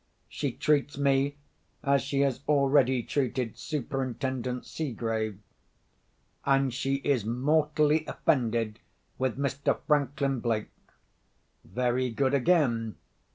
She treats me as she has already treated Superintendent Seegrave. And she is mortally offended with Mr. Franklin Blake. Very good again.